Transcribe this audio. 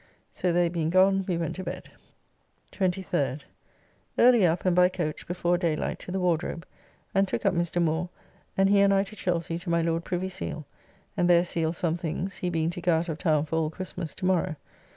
So they being gone we went to bed. 23rd. Early up and by coach (before daylight) to the Wardrobe, and took up Mr. Moore, and he and I to Chelsy to my Lord Privy Seal, and there sealed some things, he being to go out of town for all Christmas to morrow.